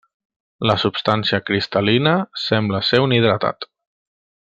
La substància cristal·lina sembla ser un hidratat.